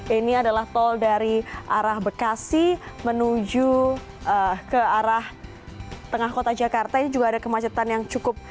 ini adalah tol dari arah bekasi menuju ke arah tengah kota jakarta ini juga ada kemacetan yang cukup